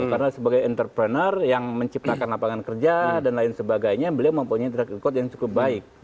karena sebagai entrepreneur yang menciptakan lapangan kerja dan lain sebagainya beliau mempunyai track record yang cukup baik